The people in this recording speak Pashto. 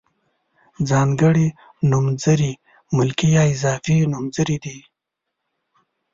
ځانګړي نومځري ملکي یا اضافي نومځري دي.